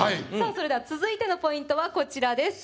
それでは続いてのポイントはこちらです